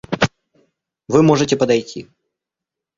Вы можете подойти.